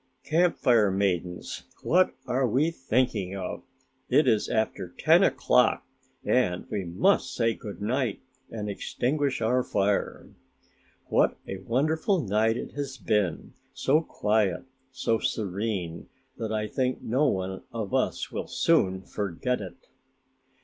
"Camp Fire maidens, what are we thinking of? It is after ten o'clock and we must say good night and extinguish our fire. What a wonderful night it has been, so quiet, so serene that I think no one of us will soon forget it!"